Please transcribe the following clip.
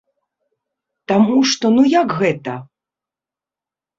Таму што ну як гэта?